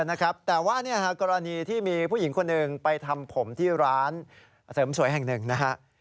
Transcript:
นะครับแต่ว่ากรณีที่มีผู้หญิงคนหนึ่งไปทำผมที่ร้านเสริมสวยแห่งหนึ่งนะฮะ